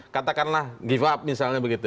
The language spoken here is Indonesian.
katakanlah give up misalnya begitu